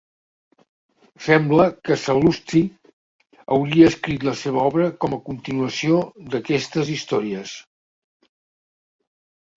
Sembla que Sal·lusti hauria escrit la seva obra com a continuació d'aquestes històries.